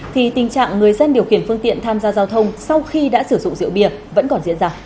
thì tình trạng người dân điều khiển phương tiện tham gia giao thông sau khi đã sử dụng rượu bia vẫn còn diễn ra